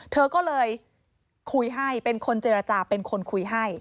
เธอก็เลยคุยให้เป็นคนเจรจาเป็นคนคุยให้